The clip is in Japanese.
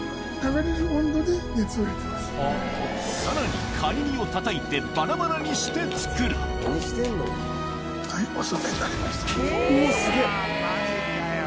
さらにカニ身をたたいてバラバラにして作るうわすげぇ！